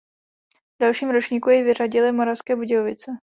V dalším ročníku jej vyřadili Moravské Budějovice.